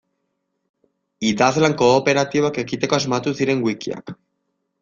Idazlan kooperatiboak egiteko asmatu ziren wikiak.